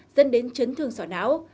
dân đến chấn thương sọ não